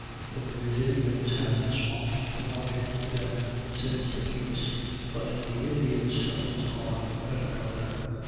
The Brazilians have swamped the market with them since the Peace; but the Indian stones are a better color.